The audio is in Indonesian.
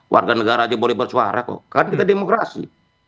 warga negara aja boleh bersuara kok kan kita demokrasi